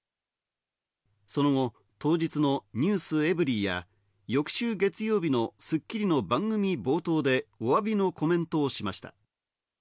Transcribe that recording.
その後、当日の『ｎｅｗｓｅｖｅｒｙ．』や、翌週月曜日の『スッキリ』の番組冒頭でお詫びのコメントをしました。